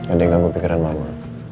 ada yang gak kepikiran mama